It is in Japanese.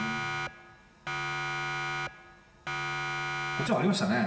こっちもありましたね。